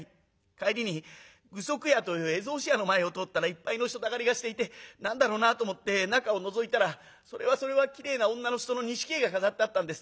帰りに具足屋という絵草紙屋の前を通ったらいっぱいの人だかりがしていて何だろうなと思って中をのぞいたらそれはそれはきれいな女の人の錦絵が飾ってあったんです。